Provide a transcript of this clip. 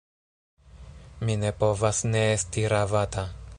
Mi ne povas ne esti ravata.